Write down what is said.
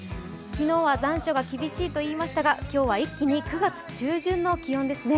昨日は残暑が厳しいといいましたが、今日は一気に９月中旬の陽気ですね。